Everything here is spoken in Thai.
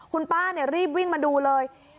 คุณป้ารีบวิ่งมาดูเลย